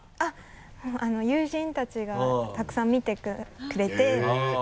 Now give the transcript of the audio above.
もう友人たちがたくさん見てくれて。